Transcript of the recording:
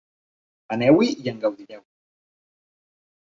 Aneu-hi i en gaudireu.